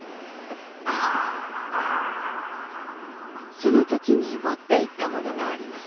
その時に持って行ったものがあります。